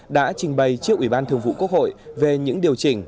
đã trình bày trước ủy ban thường vụ quốc hội về những điều chỉnh